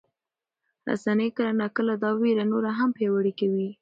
رسنۍ کله ناکله دا ویره نوره هم پیاوړې کوي.